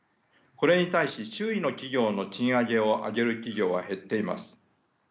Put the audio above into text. これに対し周囲の企業の賃上げを挙げる企業は減っています。